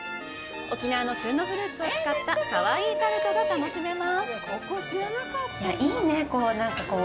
沖縄の旬のフルーツを使ったかわいいタルトが楽しめます